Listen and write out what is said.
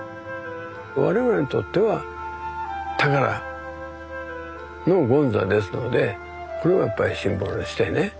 我々にとっては宝の権座ですのでこれはやっぱりシンボルとしてね